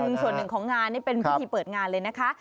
ส่วนหนึ่งของงานนี่เป็นพิธีเปิดงานเลยนะคะ